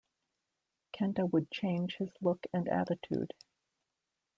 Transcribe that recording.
Kenta would change his look and attitude.